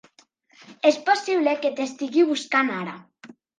És possible que t'estigui buscant ara.